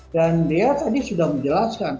dan dia tadi sudah menjelaskan